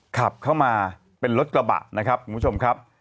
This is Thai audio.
ขับเข้ามาเป็นรถกระบะนะครับคุณผู้ชมครับ